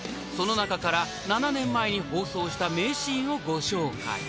［その中から７年前に放送した名シーンをご紹介］